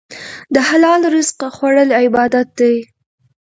د حلال رزق خوړل عبادت دی.